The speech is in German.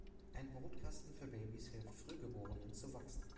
Ein Brutkasten für Babys hilft Frühgeborenen, zu wachsen.